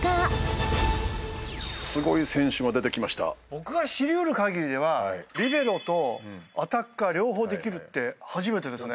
僕が知りうるかぎりではリベロとアタッカー両方できるって初めてですね。